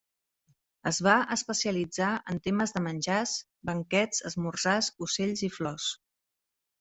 Es va especialitzar en temes de menjars, banquets, esmorzars, ocells i flors.